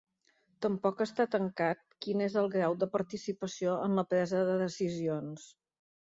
Tampoc està tancat quin és el grau de participació en la presa de decisions.